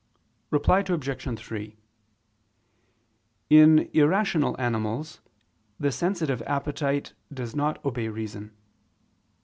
Reply Obj. 3: In irrational animals the sensitive appetite does not obey reason.